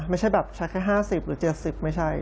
ไม่ใช่แบบใช้แค่๕๐หรือ๗๐ไม่ใช่